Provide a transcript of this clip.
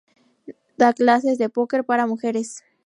Da clases de póquer para mujeres.